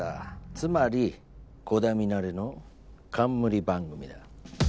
つまり鼓田ミナレの冠番組だな。